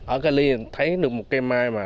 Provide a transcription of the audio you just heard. ở cali thấy được một cây mai mà